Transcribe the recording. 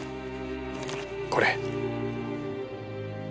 これ。